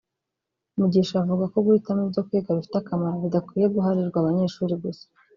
Mugisha avuga ko guhitamo ibyo kwiga bifite akamaro bidakwiye guharirwa abayeshuri gusa